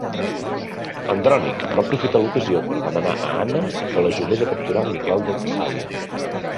Andrònic va aprofitar l'ocasió per demanar a Anna que l'ajudés a capturar Miquel de Tessàlia.